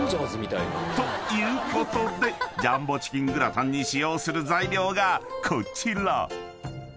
［ということでジャンボチキングラタンに使用する材料がこちら］